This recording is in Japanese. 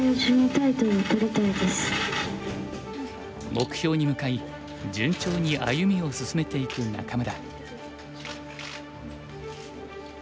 目標に向かい順調に歩みを進めていく仲邑。